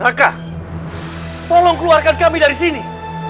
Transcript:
maka tolong keluarkan kami dari sini